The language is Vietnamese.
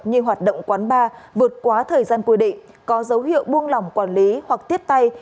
như hoạt động quán bar vượt quá thời gian quy định có dấu hiệu buông lỏng quản lý hoặc tiếp tay